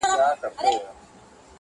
چي په مینه دي را بولي د دار سرته,